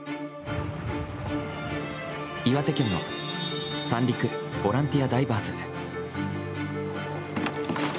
岩手県の三陸ボランティアダイバーズ。